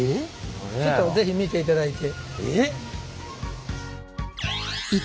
ちょっと是非見ていただいて。